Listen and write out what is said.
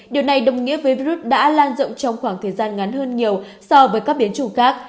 điều này đồng nghĩa với virus đã lan rộng trong khoảng thời gian ngắn hơn nhiều so với các biến chủng khác